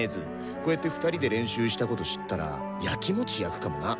こうやって２人で練習したこと知ったらヤキモチやくかもな。